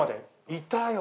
いたよ